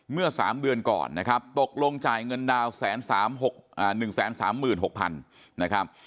เมื่อ๓เดือนก่อนนะครับตกลงจ่ายเงินดาว๑๓๖๐๐๐นะครับ